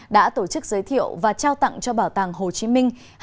đã tổ chức giới thiệu và trao tặng cho bảo tàng hồ chí minh